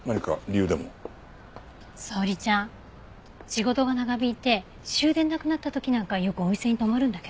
仕事が長引いて終電なくなった時なんかよくお店に泊まるんだけど。